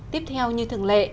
tiếp theo như thường lệ